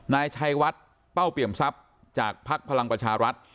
นายชัยวัดเป้าเปี่ยมทรัพย์จากภักดิ์พลังประชารัฐ